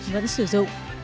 vẫn sử dụng